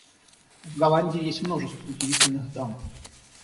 В Голландии есть множество удивительных дамб.